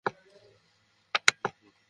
আমার ছেলে এসেছে।